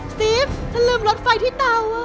สตีฟฉันลืมรดไฟที่เตาอ่ะ